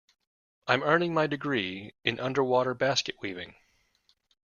I'm earning my degree in underwater basket weaving.